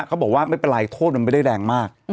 เขาบอกว่าไม่เป็นไรโทษมันไม่ได้แรงมาก